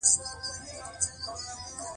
موږ ټول پلان جوړ کړى و.